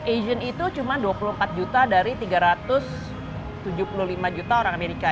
asian itu cuma dua puluh empat juta dari tiga ratus tujuh puluh lima juta orang amerika